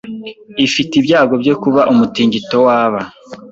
ifite ibyago byo kuba umutingito waba